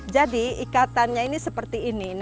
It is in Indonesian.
jadi ikatannya ini seperti ini